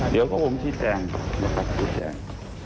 เดี๋ยวก็บอกว่าวงงที่แจง